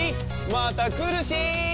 またくるし！